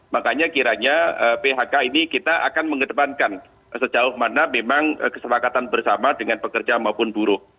makanya kiranya phk ini kita akan mengedepankan sejauh mana memang kesepakatan bersama dengan pekerja maupun buruh